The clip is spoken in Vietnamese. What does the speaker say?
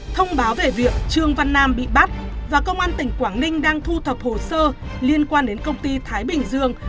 thông báo về việc trương văn nam bị bắt và công an tỉnh quảng ninh đang thu thập hồ sơ liên quan đến công ty thái bình dương